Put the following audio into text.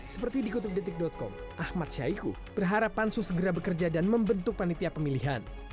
seperti dikutip detik com ahmad syahiku berharap pansus segera bekerja dan membentuk panitia pemilihan